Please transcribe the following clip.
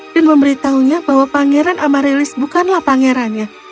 dan memberitahunya bahwa pangeran amaryllis bukanlah pangerannya